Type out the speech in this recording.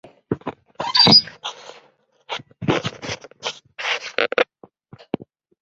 前任君主孔甲的儿子。